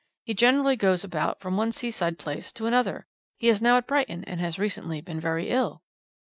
He generally goes about from one seaside place to another. He is now at Brighton, and has recently been very ill.